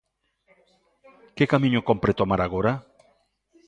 Que camiño cómpre tomar agora?